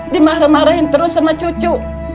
dimarah marahin terus sama cucu